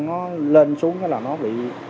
nó lên xuống là nó bị